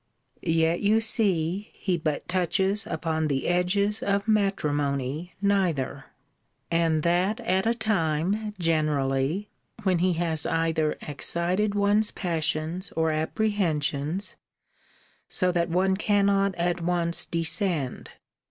Yet you see he but touches upon the edges of matrimony neither. And that at a time, generally, when he has either excited one's passions or apprehensions; so that one cannot at once descend.